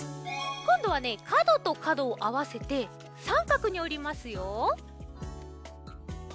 こんどはねかどとかどをあわせてさんかくにおりますよ。